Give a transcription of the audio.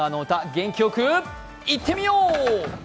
元気よくいってみよう！